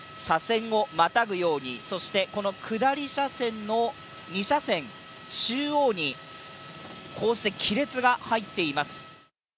車線をまたぐように、そしてこの下り車線の２車線中央にこうして亀裂が入っています。